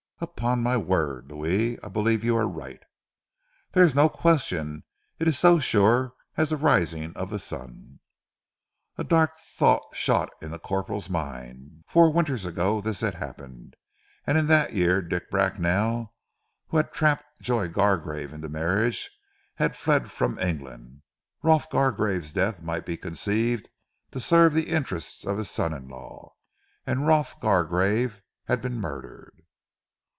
"Upon my word, Louis, I believe you are right." "Dere is no question. It is so sure as ze rising of ze sun!" A dark thought shot in the corporal's mind. Four winters ago this had happened, and in that year Dick Bracknell, who had trapped Joy Gargrave into marriage, had fled from England. Rolf Gargrave's death might be conceived to serve the interests of his son in law, and Rolf Gargrave had been murdered.